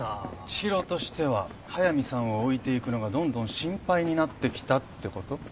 知博としては速見さんを置いていくのがどんどん心配になってきたってこと？